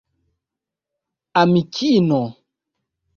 amikino